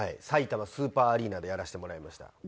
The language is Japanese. さいたまスーパーアリーナでやらせてもらいました。